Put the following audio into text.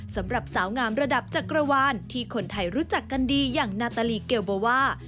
สำหรับสาวงามระดับจักรวาลที่คนไทยรู้จักกันดีอย่างนาตาลีเกลโบว่า